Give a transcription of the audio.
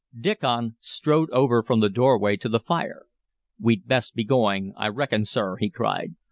Diccon strode over from the doorway to the fire. "We'd best be going, I reckon, sir," he cried.